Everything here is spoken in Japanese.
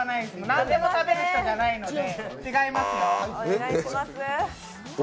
何でも食べる人じゃないので違いますよ。